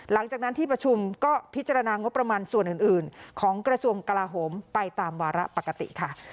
หลังจากนั้นที่ประชุมก็พิจารณางบประมาณส่วนอื่นของกระทรวงกลาโหมไปตามวาระปกติค่ะ